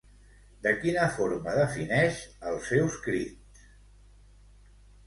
De quina forma defineix els seus crits?